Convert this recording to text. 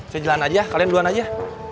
saya jalan aja kalian duluan aja